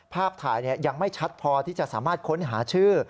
ภาพถ่ายยังไม่ชัดพอที่จะสามารถค้นหาชื่อ